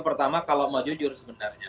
pertama kalau mau jujur sebenarnya